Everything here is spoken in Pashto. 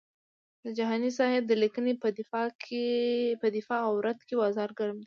د جهاني صاحب د لیکنې په دفاع او رد کې بازار ګرم دی.